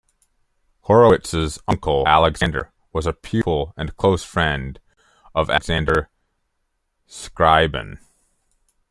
Horowitz's uncle, Alexander, was a pupil and close friend of Alexander Scriabin.